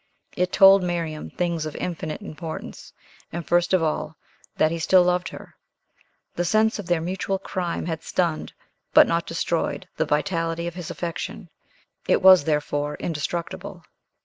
It told Miriam things of infinite importance, and, first of all, that he still loved her. The sense of their mutual crime had stunned, but not destroyed, the vitality of his affection; it was therefore indestructible.